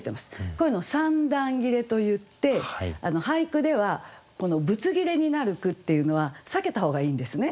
こういうのを三段切れといって俳句ではこのぶつ切れになる句っていうのは避けた方がいいんですね。